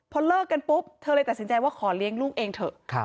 พอเลิกกันปุ๊บเธอเลยตัดสินใจว่าขอเลี้ยงลูกเองเถอะ